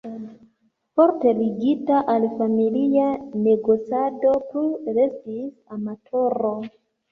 Forte ligita al familia negocado plu restis amatoro.